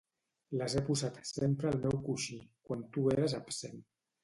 —Les he posat sempre al meu coixí, quan tu eres absent